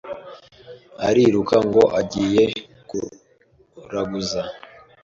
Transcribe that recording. Ariruka ngo agiye kuraguza